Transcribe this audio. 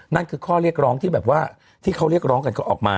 นั่นคือข้อเรียกร้องที่แบบว่าที่เขาเรียกร้องกันก็ออกมา